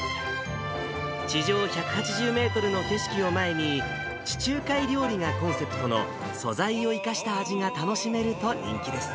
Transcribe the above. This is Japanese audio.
地上１８０メートルの景色を前に、地中海料理がコンセプトの素材を生かした味が楽しめると人気です。